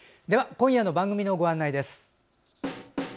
今夜の番組のご案内です。